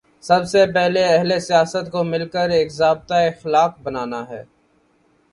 سب سے پہلے اہل سیاست کو مل کر ایک ضابطۂ اخلاق بنانا ہے۔